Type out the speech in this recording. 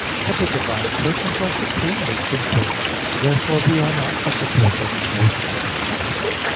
But the divine persons are supremely simple. Therefore we are not to suppose any notions in God.